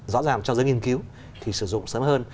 rõ ràng cho giới nghiên cứu thì sử dụng sớm hơn